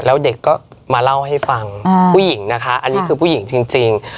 แล้วเด็กก็มาเล่าให้ฟังผู้หญิงนะคะอันนี้คือผู้หญิงจริง